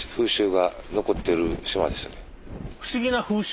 不思議な風習？